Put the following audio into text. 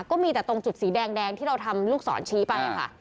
ก็มีแต่ตรงจุดสีแดงที่เราทำลูกศรชี้ไปค่ะ